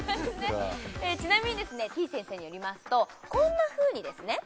ちなみにですねてぃ先生によりますとこんなふうにですね